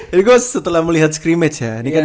jadi gue setelah melihat scrimmage ya